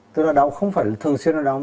tức là đau không phải thường xuyên nó đau